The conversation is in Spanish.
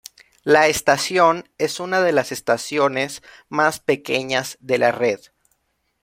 La estación es una de las estaciones más pequeñas de la red.